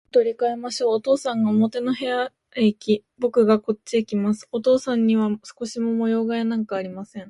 部屋も取り変えましょう。お父さんが表の部屋へいき、ぼくがこっちへきます。お父さんには少しも模様変えなんかありません。